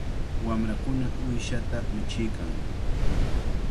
Wamrakuna uyshata michiykan.